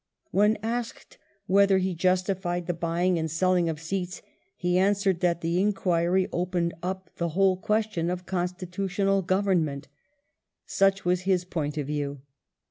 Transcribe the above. When asked whether he justified the buying and selling of seats, he answered that the inquiry opened up the whole question of constitutional government Such was his point of view.